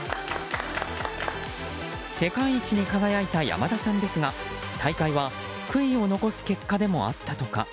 世界一に輝いた山田さんですが大会は悔いを残す結果でもあったとか。